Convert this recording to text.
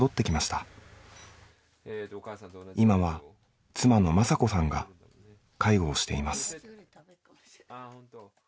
今は妻の晶子さんが介護をしています。